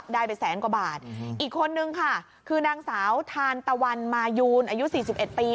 ได้ไปแสนกว่าบาทอีกคนนึงค่ะคือนางสาวทานตะวันมายูนอายุสี่สิบเอ็ดปี